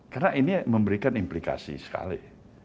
karena ini memberikan implikasi sekali